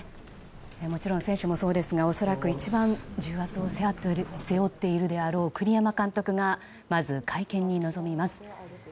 もちろん選手もそうですが恐らく一番重圧を背負っているであろう栗山監督がまず会見に臨みます。